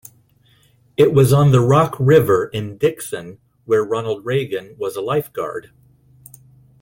It was on the Rock River in Dixon where Ronald Reagan was a lifeguard.